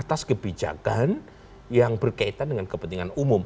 atas kebijakan yang berkaitan dengan kepentingan umum